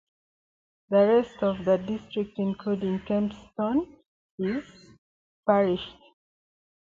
The rest of the district including Kempston is parished.